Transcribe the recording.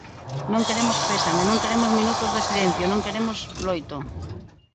Non queremos pésames, non queremos minutos de silencio, non queremos loito.